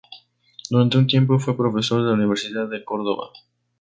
Durante un tiempo fue profesor en la Universidad de Córdoba.